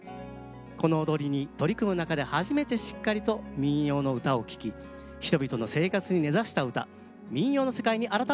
この踊りに取り組む中で初めてしっかりと民謡の唄を聴き人々の生活に根ざした唄民謡の世界に改めて感動したそうです。